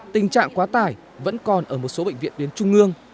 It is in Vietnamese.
tình trạng quá tải vẫn còn ở một số bệnh viện tuyến trung ương